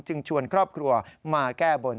ชวนครอบครัวมาแก้บน